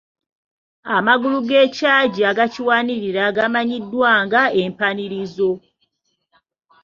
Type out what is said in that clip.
Amagulu g’ekyagi agakiwanirira gamanyiddwa nga empanirizo.